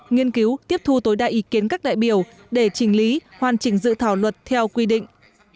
nghiên cứu tiếp thu tối đa ý kiến các đại biểu để chỉnh lý hoàn chỉnh dự thảo luật theo quy định